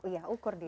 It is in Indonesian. iya ukur diri